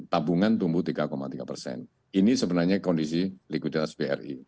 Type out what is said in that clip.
tabungan tumbuh tiga tiga persen ini sebenarnya kondisi likuiditas bri